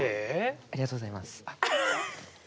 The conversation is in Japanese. ありがとうございます。